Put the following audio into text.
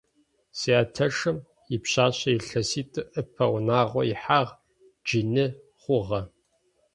Сятэшым ипшъашъэ илъэситӏу ыпэ унагъо ихьагъ, джы ны хъугъэ.